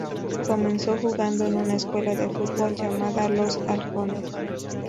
Comenzó jugando en una escuela de fútbol llamada "Los Halcones".